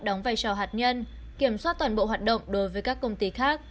đóng vai trò hạt nhân kiểm soát toàn bộ hoạt động đối với các công ty khác